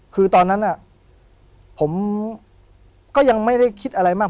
คือตอนนั้นผมก็ยังไม่ได้คิดอะไรมาก